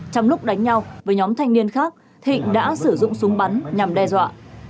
trong lúc đánh nhau với nhóm thanh niên khác thịnh đã sử dụng súng bắn nhằm đe dọa